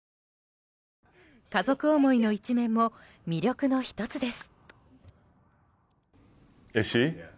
家族思いの一面も魅力の１つです。